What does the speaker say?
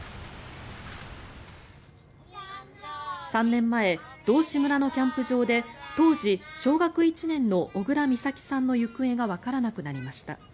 ３年前、道志村のキャンプ場で当時小学１年の小倉美咲さんの行方がわからなくなりました。